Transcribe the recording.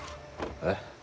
えっ？